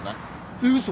えっ嘘。